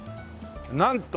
「なんと！！